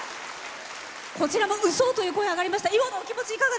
こちらも「うそ」という声あがりました。